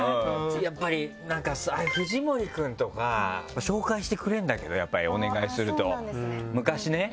やっぱり藤森くんとか紹介してくれるんだけどやっぱりお願いすると昔ね。